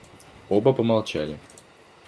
Оба помолчали.